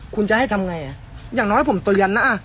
คุณจะให้ทำไงอย่างน้อยผมเตือนนะ